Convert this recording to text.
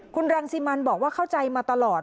คุณรังสิมันบอกว่าเข้าใจมาตลอด